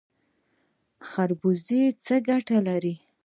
خربوزه څه ګټه لري؟